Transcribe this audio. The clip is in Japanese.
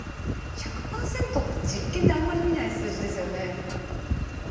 １００％って実験であんまり見ない数字ですよね。